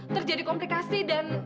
terjadi komplikasi dan